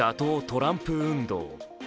トランプ運動。